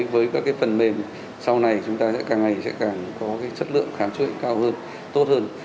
với các phần mềm sau này chúng ta sẽ càng ngày càng có chất lượng khám trụy cao hơn tốt hơn